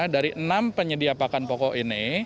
dari enam penyedia pakan pokok ini